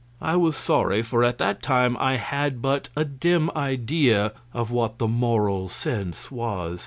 I was sorry, for at that time I had but a dim idea of what the Moral Sense was.